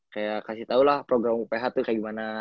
kayak kasih tau lah program uph tuh kayak gimana